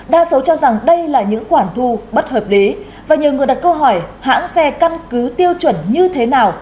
đa số cho rằng đây là những khoản thu bất hợp lý và nhiều người đặt câu hỏi hãng xe căn cứ tiêu chuẩn như thế nào